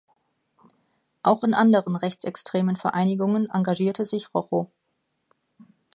Auch in anderen rechtsextremen Vereinigungen engagierte sich Rochow.